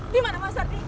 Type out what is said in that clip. di mana mas ardi